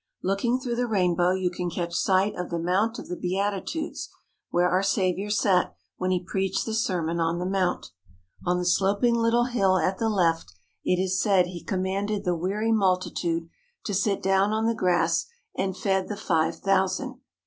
Looking through the rainbow you can catch sight of the Mount of the Beatitudes where our Saviour sat when He preached the Sermon on the Mount. On the sloping little hill at the left it is said He commanded the weary multitude to sit down on the grass and fed the five thousand.